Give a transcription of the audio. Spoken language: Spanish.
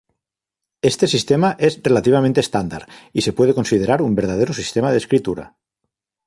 Este sistema es relativamente estándar, y se puede considerar un verdadero sistema de escritura.